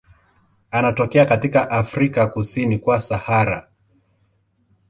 Anatokea katika Afrika kusini kwa Sahara.